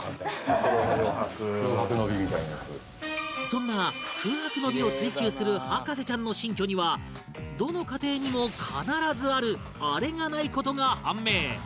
そんな空白の美を追求する博士ちゃんの新居にはどの家庭にも必ずあるあれがない事が判明